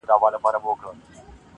تا کاسه خپله وهلې ده په لته-